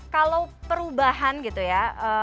kalau perubahan gitu ya